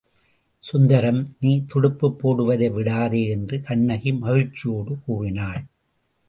சுந்தரம், நீ துடுப்புப் போடுவதை விடாதே என்று கண்ணகி மகிழ்ச்சியோடு கூறினாள்.